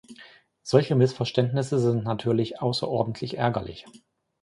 Solche Missverständnisse sind natürlich außerordentlich ärgerlich.